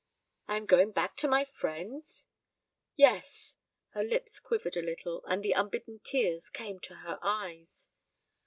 "I am going back to my friends? Yes!" Her lips quivered a little, and the unbidden tears came to her eyes.